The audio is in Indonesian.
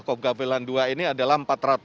kop gavilan dua ini adalah empat ratus